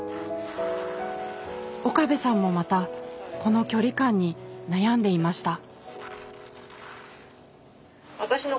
岡部さんもまたこの距離感に悩んでいました。